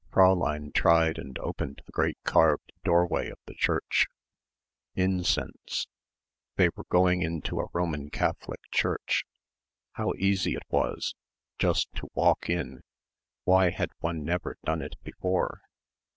Fräulein tried and opened the great carved doorway of the church ... incense.... They were going into a Roman Catholic church. How easy it was; just to walk in. Why had one never done it before?